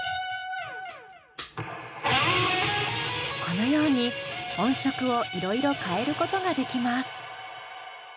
このように音色をいろいろ変えることができます。